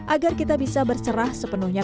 agar kita bisa berserah sepenuhnya